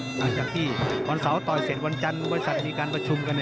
หลังจากที่วันเสาร์ต่อยเสร็จวันจันทร์บริษัทมีการประชุมกัน